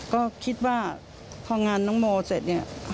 ก็คิดว่าพองานน้องโมเสร็จ